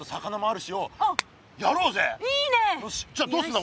よしじゃあどうすんだ？